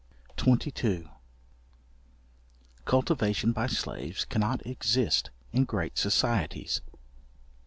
§22. Cultivation by slaves cannot exist in great societies.